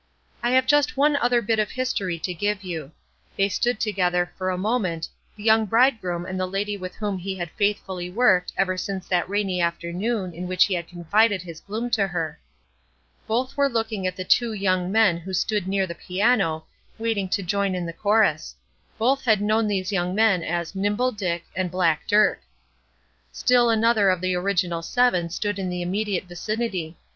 I have just one other bit of history to give you. They stood together for a moment the young bridegroom and the lady with whom he had faithfully worked ever since that rainy afternoon in which he had confided his gloom to her. Both were looking at the two young men who stood near the piano, waiting to join in the chorus. Both had known these young men as "Nimble Dick" and "Black Dirk." Still another of the original seven stood in the immediate vicinity.